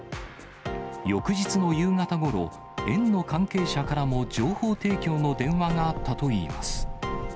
翌日の夕方ごろ、園の関係者からも情報提供の電話があったといいます。